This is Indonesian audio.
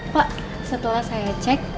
pak setelah saya cek